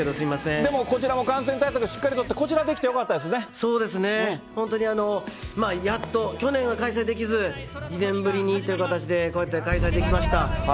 でもこちらも感染対策、しっかり取って、こちらはできてよかそうですね、やっと去年、開催できず、１年ぶりにということで、今夜開催できました。